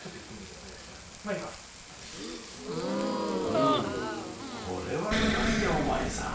うんこれはうまいよお前さん。